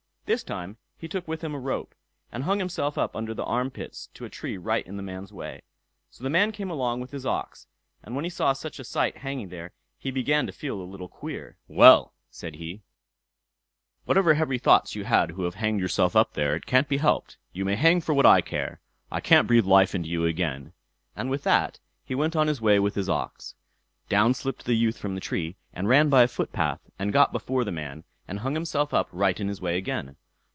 This time he took with him a rope, and hung himself up under the arm pits to a tree right in the man's way. So the man came along with his ox, and when he saw such a sight hanging there he began to feel a little queer. "Well", said he, "whatever heavy thoughts you had who have hanged yourself up there, it can't be helped; you may hang for what I care! I can't breathe life into you again"; and with that he went on his way with his ox. Down slipped the youth from the tree, and ran by a footpath, and got before the man, and hung himself up right in his way again.